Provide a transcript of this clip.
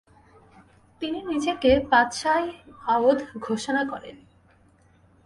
তিনি নিজেকে পাদশাহ-ই-আওধ ঘোষণা করেন।